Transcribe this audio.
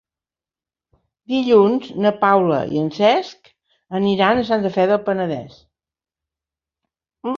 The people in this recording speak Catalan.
Dilluns na Paula i en Cesc aniran a Santa Fe del Penedès.